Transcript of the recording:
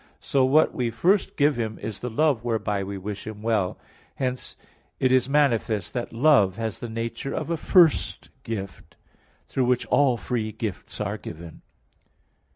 So what we first give him is the love whereby we wish him well. Hence it is manifest that love has the nature of a first gift, through which all free gifts are given.